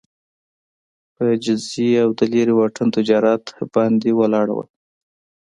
په جزیې او د لېرې واټن تجارت باندې ولاړه وه